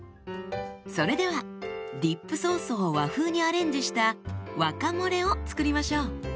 それではディップソースを和風にアレンジした和カモレを作りましょう。